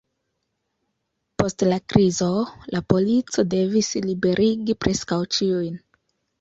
Post la krizo, la polico devis liberigi preskaŭ ĉiujn.